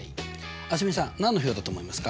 蒼澄さん何の表だと思いますか？